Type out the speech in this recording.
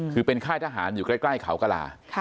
คือเป็นค่ายทหารอยู่ใกล้เขากระลา